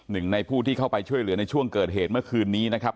หนึ่งในผู้ที่เข้าไปช่วยเหลือในช่วงเกิดเหตุเมื่อคืนนี้นะครับ